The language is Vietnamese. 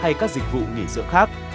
hay các dịch vụ nghỉ dựa khác